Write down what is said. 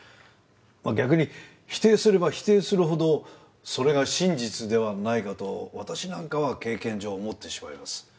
まあ逆に否定すれば否定するほどそれが真実ではないかと私なんかは経験上思ってしまいます。